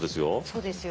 そうですよ。